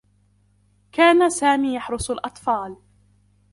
كان سامي يحرس الأطفال.